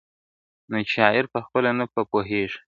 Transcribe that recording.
نو چي شاعر پخپله نه په پوهیږي !.